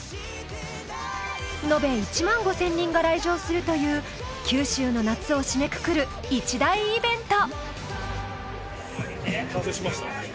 延べ１５，０００人が来場するという九州の夏を締めくくる一大イベント。